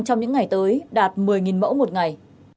trong những ngày tới đạt một mươi mẫu một ngày